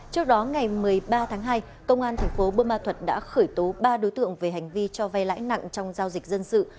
trước đó ngày một mươi ba tháng hai công an thành phố bơ ma thuật đã khởi tố ba đối tượng về hành vi cho vay lãi nặng trong giao dịch dân sự